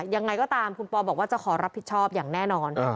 ยังไงก็ตามคุณปอบอกว่าจะขอรับผิดชอบอย่างแน่นอน